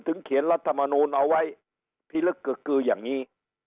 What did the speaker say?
ถึงเขียนรัฐมนูลเอาไว้ที่ลึกกคือยังนี้